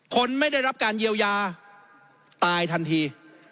คนไม่ได้รับการเยียวยาตายทันที